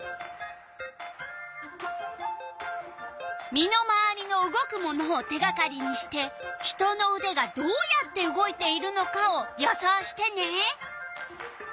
身の回りの動くものを手がかりにして人のうでがどうやって動いているのかを予想してね！